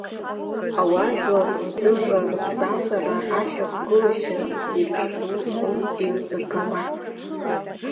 Ауаажәлар рдырра рыбзазара ашьақәгылашьа зеиԥшроу ауп еилзыргауа.